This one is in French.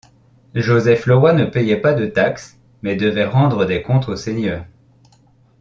Joseph Leroy ne payait pas de taxe mais devait rendre des comptes au seigneur.